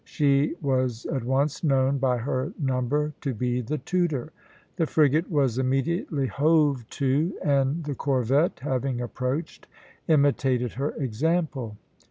She was at once known by her number to be the Tudor. The frigate was immediately hove to, and the corvette having approached, imitated her example.